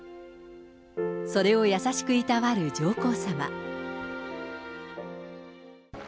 それを優しくいたわる上皇さま。